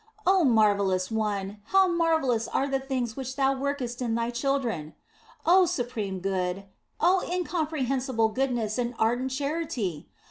Oh, Marvellous One, how marvellous are the things which Thou workest in Thy children ! Oh Supreme Good oh Incompre hensible Goodness and Ardent Charity